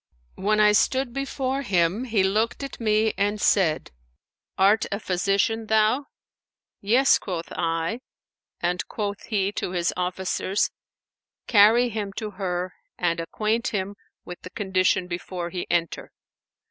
When I stood before him, he looked at me and said, 'Art a physician, thou?' 'Yes,' quoth I; and quoth he to his officers, 'Carry him to her, and acquaint him with the condition before he enter.'